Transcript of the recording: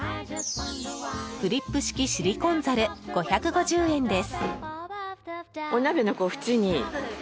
クリップ式シリコンザル５５０円です。